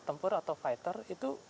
tempur atau fighter itu